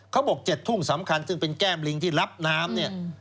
เขาบอก๗ทุ่มสำคัญซึ่งเป็นแก้มลิงที่รับน้ำเนี่ย